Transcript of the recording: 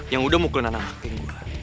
yang udah mukul anak anak geng gue